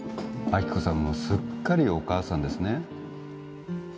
亜希子さんもすっかりお母さんですね